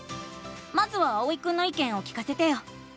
まずはあおいくんのいけんを聞かせてよ！